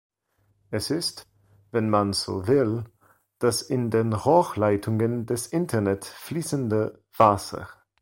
Es ist, wenn man so will, das in den Rohrleitungen des Internet fließende "Wasser".